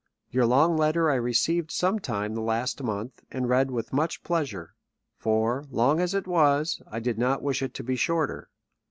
Your long letter I received some time the last month, and read with much pleasure. For, long as it was, I did not wish it to be shorter.